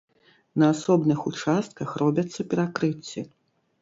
На асобных участках робяцца перакрыцці.